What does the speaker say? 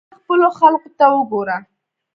دا خپلو خلقو ته وګوره.